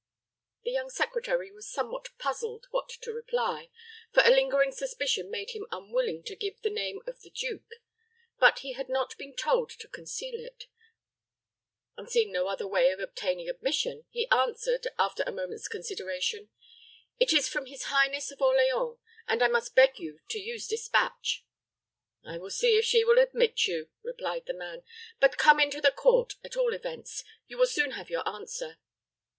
The young secretary was somewhat puzzled what to reply, for a lingering suspicion made him unwilling to give the name of the duke; but he had not been told to conceal it, and seeing no other way of obtaining admission, he answered, after a moment's consideration, "It is from his highness of Orleans, and I must beg you to use dispatch." "I will see if she will admit you," replied the man; "but come into the court, at all events. You will soon have your answer."